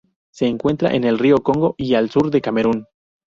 Se encuentra en el río Congo y al sur de Camerún.